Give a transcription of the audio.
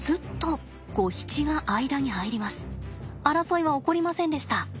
争いは起こりませんでした。